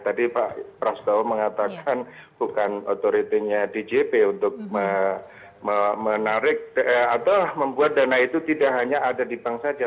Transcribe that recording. tadi pak prasto mengatakan bukan otoritinya djp untuk menarik atau membuat dana itu tidak hanya ada di bank saja